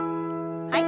はい。